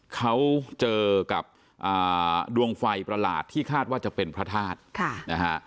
เขาเจอกับดวงไฟประหลาดที่คาดว่าจะเป็นพระธาตุนะฮะ